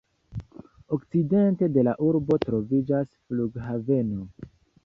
Okcidente de la urbo troviĝas flughaveno.